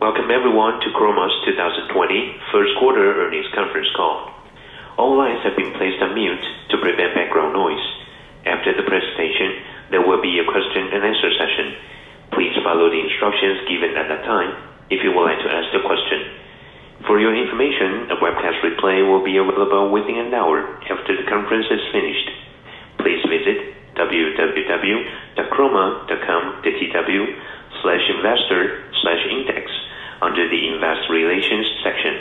Welcome everyone to Chroma's 2020 first quarter earnings conference call. All lines have been placed on mute to prevent background noise. After the presentation, there will be a question-and-answer session. Please follow the instructions given at that time if you would like to ask a question. For your information, a webcast replay will be available within an hour after the conference is finished. Please visit www.chroma.com.tw/investor/index under the investor relations section.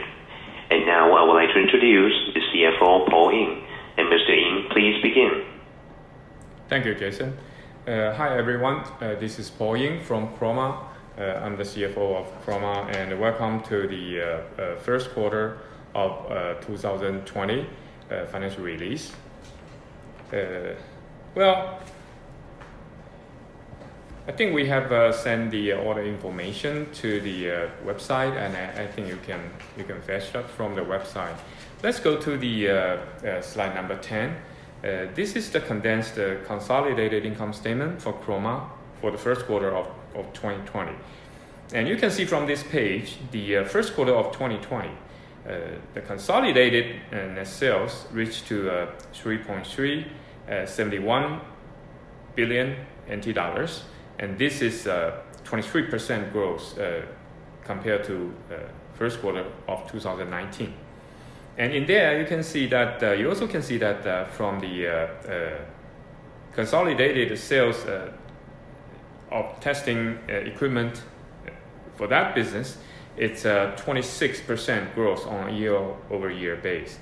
Now I would like to introduce the CFO, Paul Ying. Mr. Ying, please begin. Thank you, Jason. Hi, everyone. This is Paul Ying from Chroma. I'm the CFO of Chroma, and welcome to the first quarter of 2020 financial release. Well, I think we have sent all the information to the website, and I think you can fetch that from the website. Let's go to slide number 10. This is the condensed consolidated income statement for Chroma for the first quarter of 2020. You can see from this page, the first quarter of 2020, the consolidated net sales reached to NT$3.371 billion, and this is a 23% growth compared to first quarter of 2019. In there, you also can see that from the consolidated sales of testing equipment for that business, it's a 26% growth on a year-over-year base.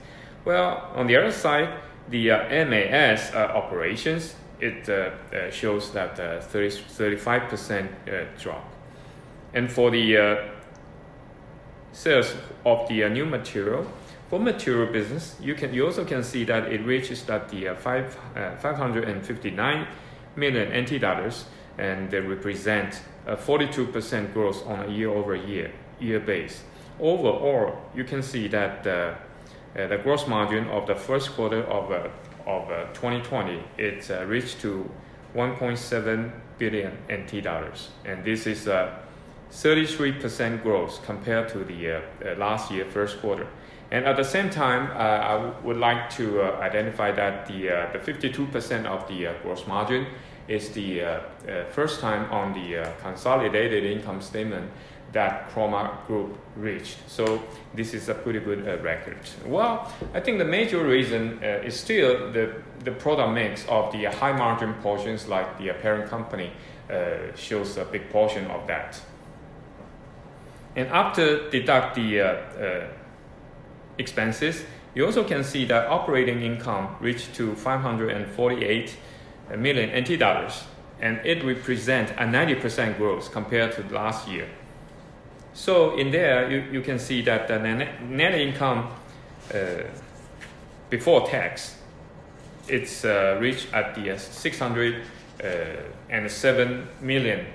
Well, on the other side, the MAS operations, it shows that a 35% drop. For the sales of the new material, for material business, you also can see that it reaches at the NT$559 million, and they represent a 42% growth on a year-over-year base. Overall, you can see that the gross margin of the first quarter of 2020, it reached to NT$1.7 billion, and this is a 33% growth compared to the last year first quarter. At the same time, I would like to identify that the 52% of the gross margin is the first time on the consolidated income statement that Chroma Group reached. This is a pretty good record. I think the major reason is still the product mix of the high-margin portions like the parent company shows a big portion of that. After deduct the expenses, you also can see that operating income reached to NT$548 million, and it represent a 90% growth compared to last year. In there, you can see that the net income before tax, it's reached at the NT$607 million,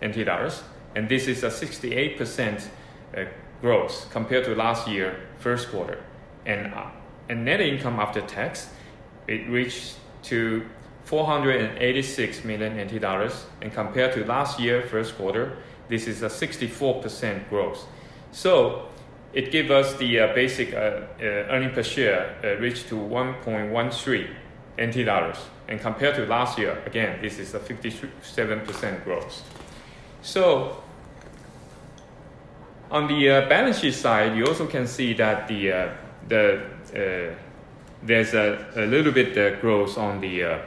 and this is a 68% growth compared to last year first quarter. Net income after tax, it reached to NT$486 million, and compared to last year first quarter, this is a 64% growth. It give us the basic earning per share, it reached to NT$1.13. Compared to last year, again, this is a 57% growth. On the balance sheet side, you also can see that there's a little bit growth on the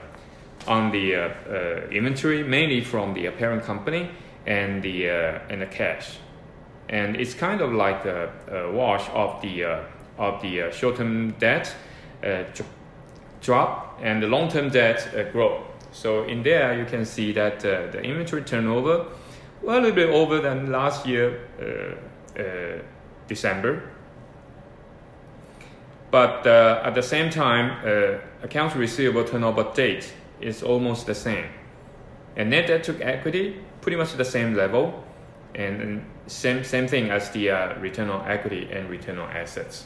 inventory, mainly from the parent company and the cash. It's kind of like a wash of the short-term debt drop and the long-term debt growth. In there, you can see that the inventory turnover, a little bit over than last year December. At the same time, accounts receivable turnover date is almost the same. Net debt to equity, pretty much the same level, and same thing as the return on equity and return on assets.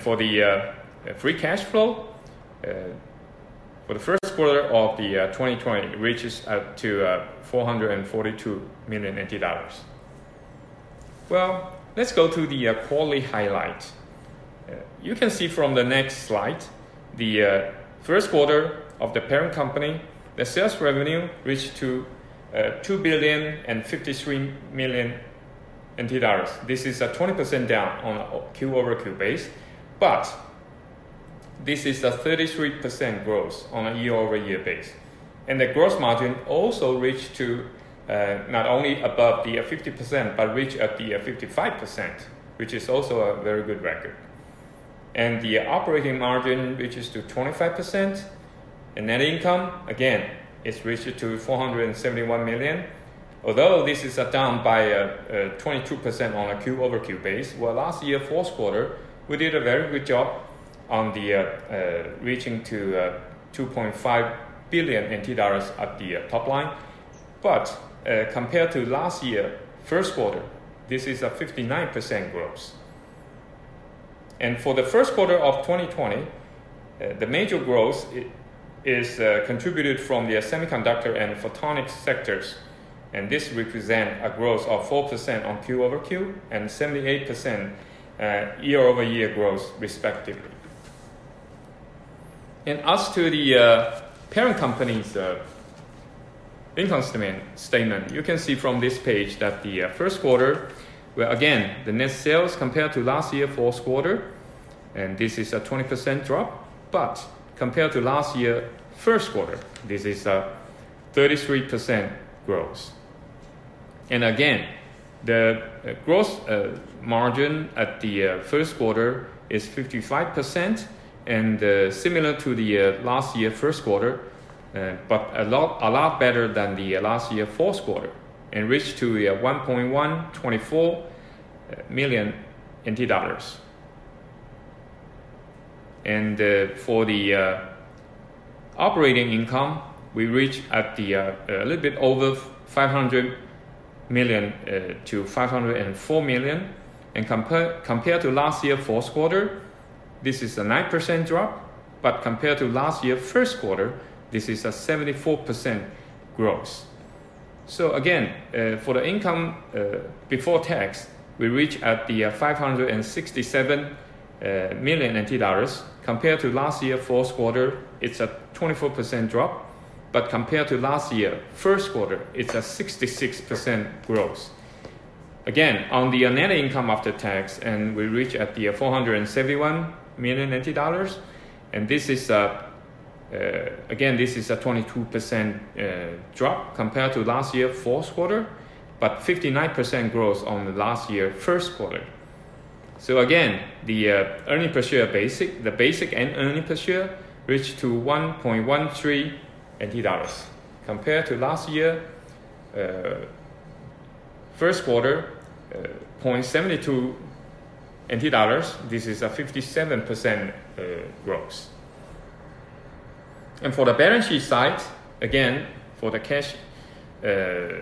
For the free cash flow, for the first quarter of the 2020, it reaches up to NT$442 million. Well, let's go to the quarterly highlight. You can see from the next slide, the first quarter of the parent company, the sales revenue reached to NT$2.053 billion. This is a 20% down on a Q-over-Q base, but this is a 33% growth on a year-over-year base. The gross margin also reached to, not only above the 50%, but reached at the 55%, which is also a very good record. The operating margin reaches to 25%, and net income, again, it's reached to NT$471 million. Although this is down by 22% on a quarter-over-quarter basis, well, last year's fourth quarter, we did a very good job on the reaching to NT$2.5 billion at the top line. Compared to last year's first quarter, this is a 59% growth. For the first quarter of 2020, the major growth is contributed from the semiconductor and photonics sectors, and this represents a growth of 4% on quarter-over-quarter and 78% year-over-year growth respectively. As to the parent company's income statement, you can see from this page that the first quarter, where again, the net sales compared to last year's fourth quarter, and this is a 20% drop, but compared to last year's first quarter, this is a 33% growth. Again, the gross margin at the first quarter is 55% and similar to the last year's first quarter, but a lot better than the last year's fourth quarter and reached NT$1.124 million. For the operating income, we reach at a little bit over NT$500 million to NT$504 million, and compared to last year's fourth quarter, this is a 9% drop, but compared to last year's first quarter, this is a 74% growth. Again, for the income before tax, we reach at the NT$567 million. Compared to last year's fourth quarter, it's a 24% drop, but compared to last year's first quarter, it's a 66% growth. Again, on the net income after tax, and we reach at the NT$471 million. Again, this is a 22% drop compared to last year's fourth quarter, but 59% growth on the last year's first quarter. Again, the basic and earnings per share reached to 1.13 NT dollars. Compared to last year's first quarter, 0.72 NT dollars, this is a 57% growth. For the balance sheet side, again, for the cash and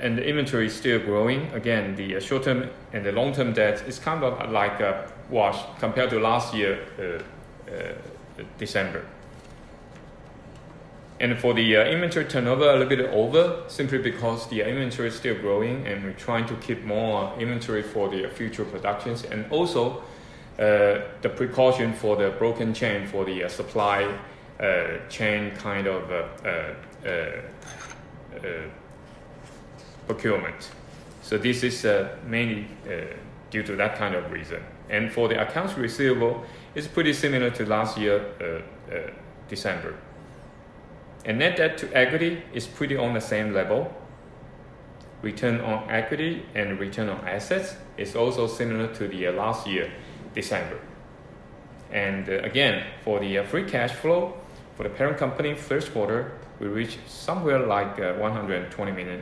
the inventory is still growing. Again, the short-term and the long-term debt is kind of like a wash compared to last year, December. For the inventory turnover, a little bit over, simply because the inventory is still growing, and we're trying to keep more inventory for the future productions and also, the precaution for the broken chain for the supply chain kind of procurement. This is mainly due to that kind of reason. For the accounts receivable, it's pretty similar to last year, December. Net debt to equity is pretty on the same level. Return on equity and return on assets is also similar to the last year, December. For the free cash flow, for the parent company first quarter, we reached somewhere like TWD 120 million.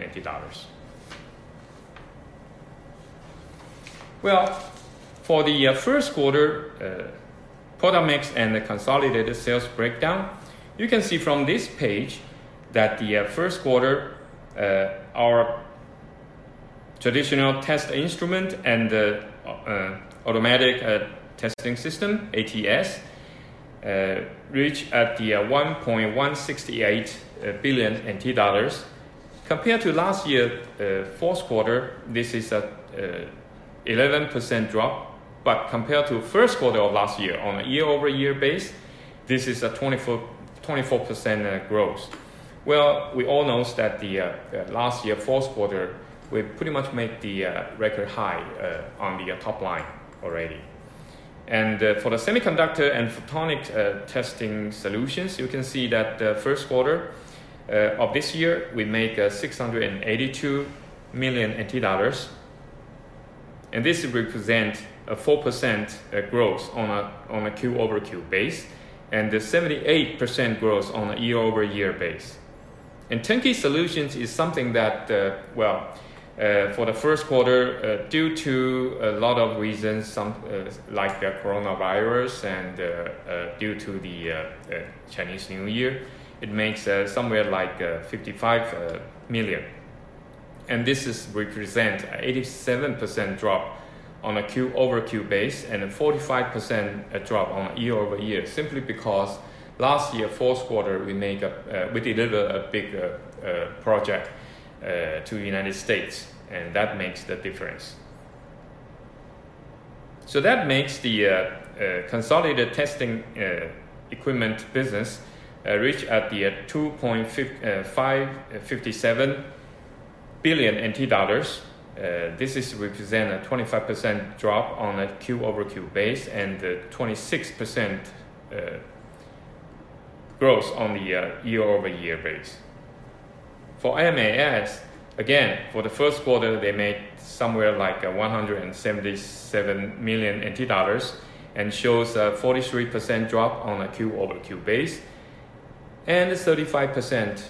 For the first quarter, product mix and the consolidated sales breakdown, you can see from this page that the first quarter, our traditional test instrument and the automated test system, ATS, reached 1.168 billion NT dollars. Compared to last year's fourth quarter, this is an 11% drop, but compared to first quarter of last year, on a year-over-year basis, this is a 24% growth. We all know that the last year's fourth quarter, we pretty much made the record high on the top line already. For the semiconductor and photonics testing solutions, you can see that the first quarter of this year, we make NT$682 million, and this represents a 4% growth on a quarter-over-quarter base and a 78% growth on a year-over-year base. Turnkey solutions is something that, well, for the first quarter, due to a lot of reasons, like the coronavirus and due to the Chinese New Year, it makes somewhere like NT$55 million. This represents an 87% drop on a quarter-over-quarter base and a 45% drop on a year-over-year, simply because last year, fourth quarter, we delivered a big project to the U.S., and that makes the difference. That makes the consolidated testing equipment business reach at the NT$2.57 billion. This represents a 25% drop on a quarter-over-quarter basis and 26% growth on a year-over-year basis. For AMAS, again, for the first quarter, they made somewhere like NT$177 million and shows a 43% drop on a quarter-over-quarter basis and a 35%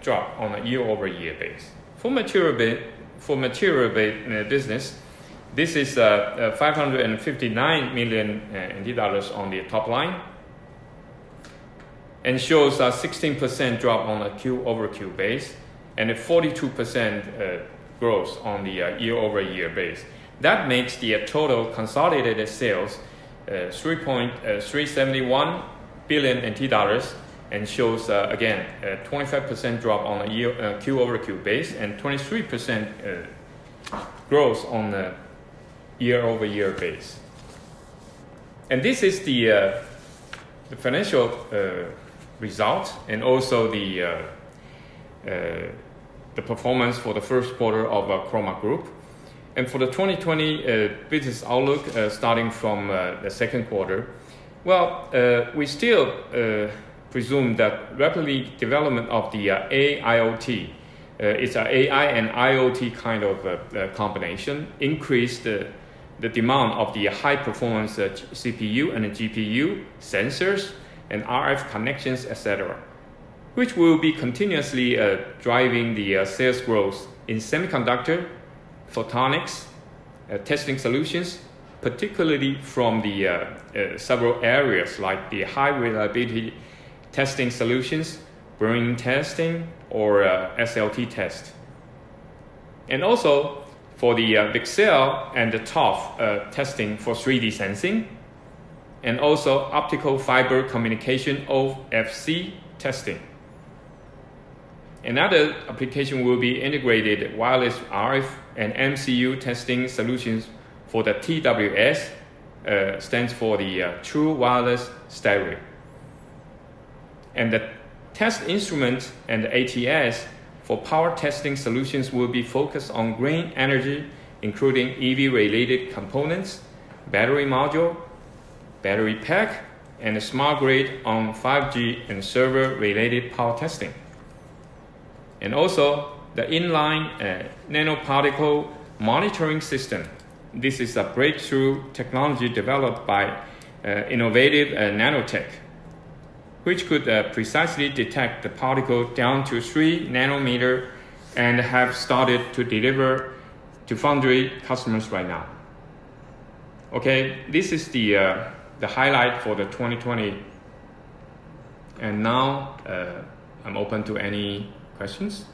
drop on a year-over-year basis. For material business, this is NT$559 million on the top line. Shows a 16% drop on a quarter-over-quarter basis, and a 42% growth on a year-over-year basis. That makes the total consolidated sales $3.371 billion, shows, again, a 25% drop on a quarter-over-quarter basis and 23% growth on a year-over-year basis. This is the financial result and also the performance for the first quarter of Chroma Group. For the 2020 business outlook, starting from the second quarter, we still presume that rapidly development of the AIoT, it's a AI and IoT kind of a combination, increase the demand of the high performance CPU and GPU sensors and RF connections, et cetera, which will be continuously driving the sales growth in semiconductor, photonics, testing solutions, particularly from the several areas like the high reliability testing solutions, burn-in testing or SLT test. Also for the VCSEL and the ToF testing for 3D sensing, also optical fiber communication, OFC testing. Another application will be integrated wireless RF and MCU testing solutions for the TWS, stands for the True Wireless Stereo. The test instrument and ATS for power testing solutions will be focused on green energy, including EV related components, battery module, battery pack, and smart grid on 5G and server related power testing. Also the In-line Nanoparticle Monitoring System. This is a breakthrough technology developed by Innovative Nanotech, which could precisely detect the particle down to three nanometer and have started to deliver to foundry customers right now. Okay, this is the highlight for the 2020. Now, I'm open to any questions.